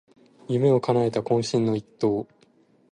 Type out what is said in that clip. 夢をかなえた懇親の一投